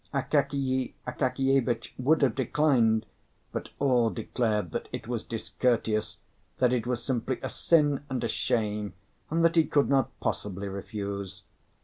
Akakiy Akakievitch would have declined, but all declared that it was discourteous, that it was simply a sin and a shame, and that he could not possibly refuse.